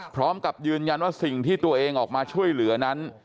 พร้อมกับยืนยันว่าสิ่งที่ตัวเองออกมาช่วยเหลือนั้น